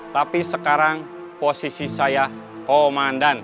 tapi sekarang posisi saya komandan